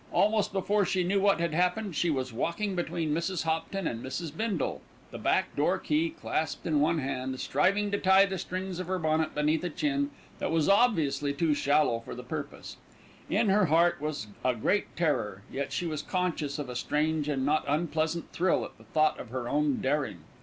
Almost before she knew what had happened, she was walking between Mrs. Hopton and Mrs. Bindle, the back door key clasped in one hand, striving to tie the strings of her bonnet beneath a chin that was obviously too shallow for the purpose. In her heart was a great terror; yet she was conscious of a strange and not unpleasant thrill at the thought of her own daring.